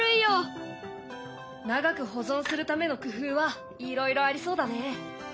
長く保存するための工夫はいろいろありそうだね。